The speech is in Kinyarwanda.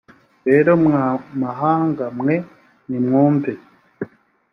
rero mwa mahanga mwe nimwumve